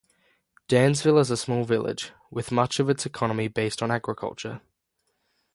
Dansville is a small village, with much of its economy based on agriculture.